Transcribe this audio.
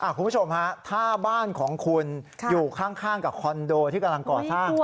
คุณผู้ชมฮะถ้าบ้านของคุณอยู่ข้างกับคอนโดที่กำลังก่อสร้าง